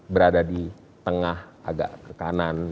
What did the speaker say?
berada di tengah agak ke kanan